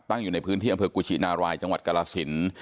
อยู่ในพื้นที่อำเภอกุชินารายจังหวัดกรสิน